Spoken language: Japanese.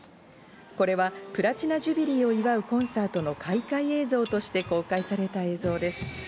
これはプラチナジュビリーを祝うコンサートの開会映像として公開された映像です。